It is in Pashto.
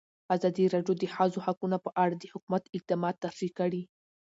ازادي راډیو د د ښځو حقونه په اړه د حکومت اقدامات تشریح کړي.